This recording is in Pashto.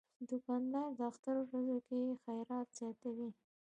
دوکاندار د اختر ورځو کې خیرات زیاتوي.